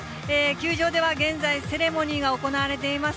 球場では現在、セレモニーが行われています。